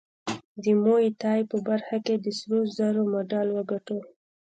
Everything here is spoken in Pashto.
د موی تای په برخه کې د سرو زرو مډال وګاټه